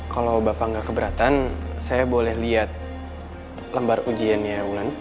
kalo bapak gak keberatan saya boleh liat lembar ujiannya wulan